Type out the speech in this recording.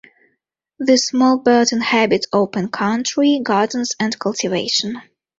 This small bird inhabits open country, gardens and cultivation.